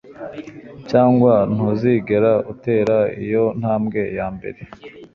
cyangwa ntuzigera utera iyo ntambwe yambere